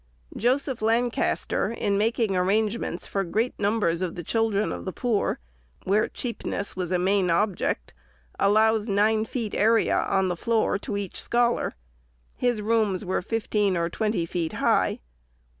Joseph Lancaster, in making ar rangements for great numbers of the children of the poor, where cheapness was a main object, allows nine feet area, on the floor, to each scholar. His rooms were fifteen or twenty feet high.